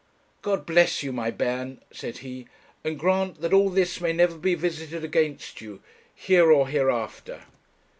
'God bless you, my bairn,' said he, 'and grant that all this may never be visited against you, here or hereafter!'